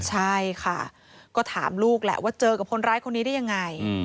ใช่ค่ะก็ถามลูกแหละว่าเจอกับคนร้ายคนนี้ได้ยังไง